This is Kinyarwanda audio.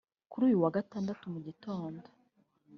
Kuri uyu wa Gatandatu mu gitondo